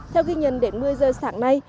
theo ghi nhận đến một mươi giờ sáng nay